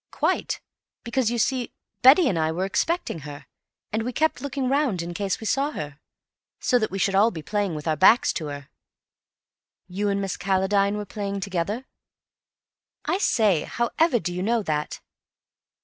"Quite. Because, you see, Betty and I were expecting her, and we kept looking round in case we saw her, so that we should all be playing with our backs to her." "You and Miss Calladine were playing together?" "I say, however do you know that?"